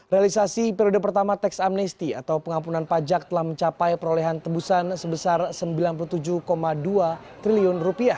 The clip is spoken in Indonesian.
realisasi periode pertama tax amnesti atau pengampunan pajak telah mencapai perolehan tebusan sebesar rp sembilan puluh tujuh dua triliun